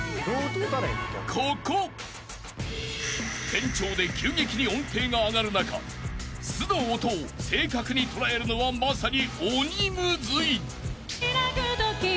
［転調で急激に音程が上がる中「ス」の音を正確に捉えるのはまさに鬼ムズい］